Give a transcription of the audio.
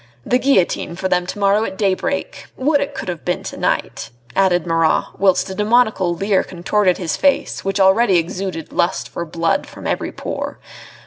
The guillotine for them to morrow at daybreak! Would it could have been to night," added Marat, whilst a demoniacal leer contorted his face which already exuded lust for blood from every pore.